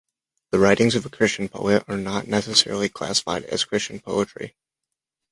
The writings of a Christian poet are not necessarily classified as Christian poetry.